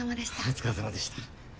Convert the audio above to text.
お疲れ様でした。